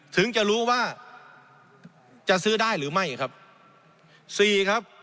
ถึงจะรู้ว่าจะซื้อได้หรือไม่